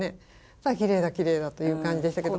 ただきれいだきれいだという感じでしたけど。